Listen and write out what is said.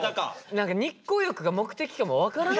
何か日光浴が目的かも分からん